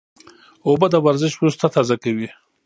اوبه د ورزش وروسته تازه کوي